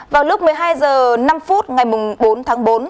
vào lúc một mươi hai h năm ngày bốn tháng bốn